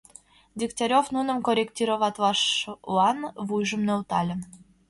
Дегтярев нуным корректироватлашлан вуйжым нӧлтале.